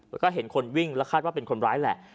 แล้วก็เห็นคนวิ่งแล้วคาดว่าเป็นคนร้ายแหละ